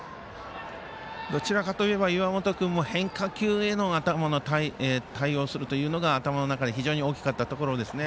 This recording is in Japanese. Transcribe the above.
どちらかといえば岩本君も変化球に対応するというのが、頭の中で非常に大きかったところですね。